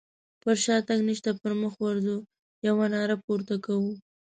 پر شاتګ نشته پر مخ ورځو يوه ناره پورته کوو.